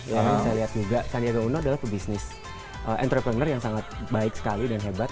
yang saya lihat juga sandiaga uno adalah pebisnis entrepreneur yang sangat baik sekali dan hebat